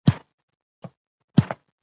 مېلې د کوچنيانو د خوښۍ تر ټولو ښه لامل دئ.